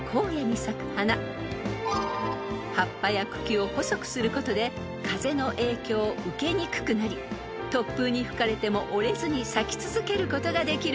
［葉っぱや茎を細くすることで風の影響を受けにくくなり突風に吹かれても折れずに咲き続けることができるんです］